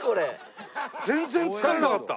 全然疲れなかった。